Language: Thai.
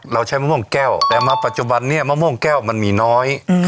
ใช้มะม่วงแก้วแต่มาปัจจุบันนี้มะม่วงแก้วมันมีน้อย